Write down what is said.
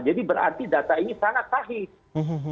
jadi berarti data ini sangat pahit